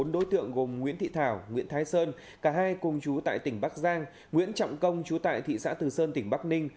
bốn đối tượng gồm nguyễn thị thảo nguyễn thái sơn cả hai cùng chú tại tỉnh bắc giang nguyễn trọng công chú tại thị xã từ sơn tỉnh bắc ninh